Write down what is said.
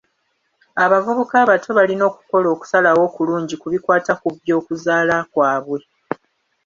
Abavubuka abato balina okukola okusalawo okulungi ku bikwata ku by'okuzaala kwabwe.